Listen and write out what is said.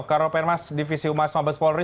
karo penmas divisi umas mabes polri